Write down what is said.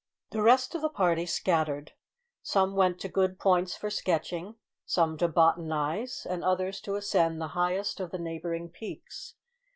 The rest of the party scattered. Some went to good points for sketching, some to botanise, and others to ascend the highest of the neighbouring peaks.